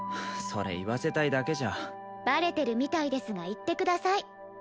それ言わせたいだけじゃバレてるみたいですが言ってください